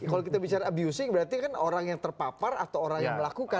kalau kita bicara abusing berarti kan orang yang terpapar atau orang yang melakukan